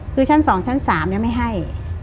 คือชั้น๒ชั้น๓ไม่ให้